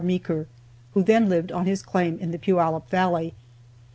Meeker, who then lived on his claim in the Puyallup valley.